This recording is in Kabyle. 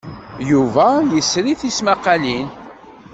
Yuba yesri tismaqqalin.